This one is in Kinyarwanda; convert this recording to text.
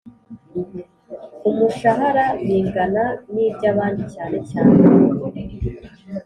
Umushahara bingana n iby abandi cyane cyane